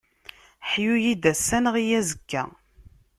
Ḥyu-yi-d ass-a, nneɣ-iyi azekka.